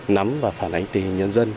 nắm và phản ánh tình nhân dân